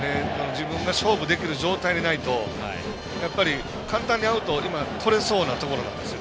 自分が勝負できる状態でないと簡単にアウトをとれそうなところなんですよ。